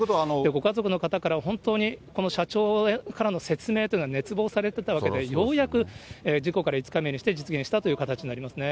ご家族の方からは、本当にこの社長からの説明というのを熱望されていたわけで、ようやく、事故から５日目にして実現したという形になりますね。